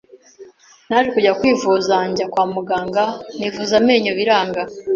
naje kujya kwivuza njya kwa muganga nivuza amenyo biranga